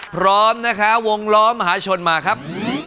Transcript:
พร้อมนะคะวงล้อมหาชนมาครับ